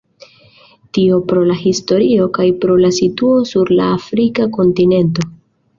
Tio pro la historio kaj pro la situo sur la afrika kontinento.